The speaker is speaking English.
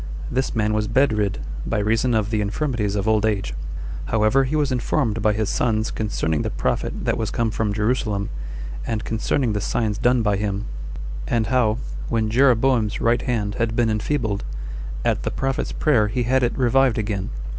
This man was bedrid, by reason or the infirmities of old age: however, he was informed by his sons concerning the prophet that was come from Jerusalem, and concerning the signs done by him; and how, when Jeroboam's right hand had been enfeebled, at the prophet's prayer he had it revived again.